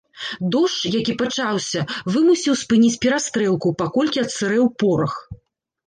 Дождж, які пачаўся вымусіў спыніць перастрэлку, паколькі адсырэў порах.